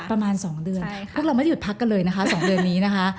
ประมาณ๒เดือนพวกเราไม่ได้หยุดพักกันเลยนะคะ๒เดือนนี้นะคะ